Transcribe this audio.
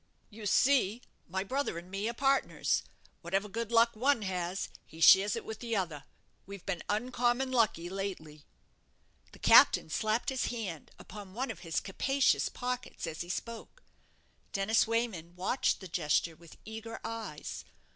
You see, my brother and me are partners; whatever good luck one has he shares it with the other. We've been uncommon lucky lately." The captain slapped his hand upon one of his capacious pockets as he spoke. Dennis Wayman watched the gesture with eager eyes.